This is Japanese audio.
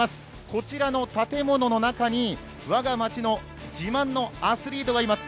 こちらの建物の中に我が町の自慢のアスリートがいます。